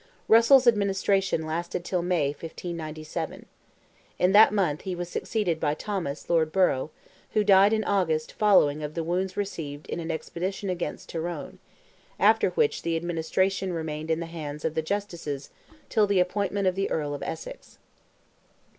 Russell's administration lasted till May, 1597. In that month he was succeeded by Thomas, Lord Borough, who died in August following of the wounds received in an expedition against Tyrone; after which the administration remained in the hands of the Justices till the appointment of the Earl of Essex.